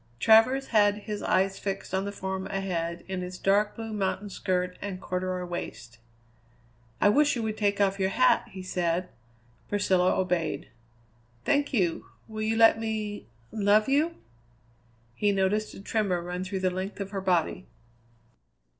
Travers had his eyes fixed on the form ahead in its dark blue mountain skirt and corduroy waist. "I wish you would take off your hat," he said. Priscilla obeyed. "Thank you! Will you let me love you?" He noticed a tremor run the length of her body.